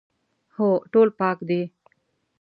هو، ټول پاک دي